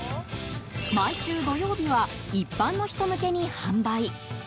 毎週土曜日は一般の人向けに販売。